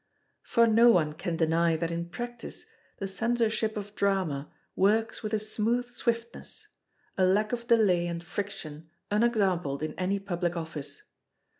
For no one can deny that in practice the Censorship of Drama works with a smooth swiftness—a lack of delay and friction unexampled in any public office.